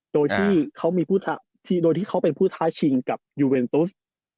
โดยที่เขาเป็นผู้ท่าชิงกับยูเวนทุส